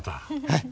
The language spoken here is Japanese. はい。